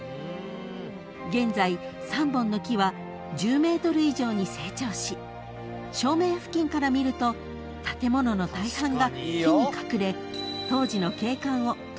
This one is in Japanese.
［現在３本の木は１０ｍ以上に成長し正面付近から見ると建物の大半が木に隠れ］